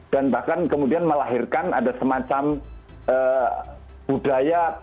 dan bahkan kemudian melahirkan ada semacam budaya